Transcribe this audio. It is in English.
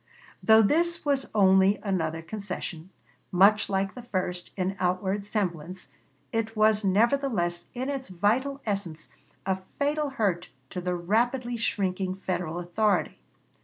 Though this was only another concession, much like the first in outward semblance, it was nevertheless in its vital essence a fatal hurt to the rapidly shrinking Federal authority.